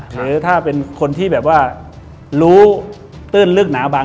ซึ่งถ้าเป็นคนที่รู้ตื่นเลือกหนาบาง